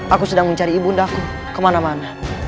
aku sedang mencari ibu bundaku kemana mana